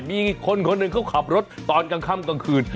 มีคนคนหนึ่งเขาขับรถตอนกลางค่ำกลางคืน